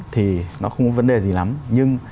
thì nó không có vấn đề gì lắm nhưng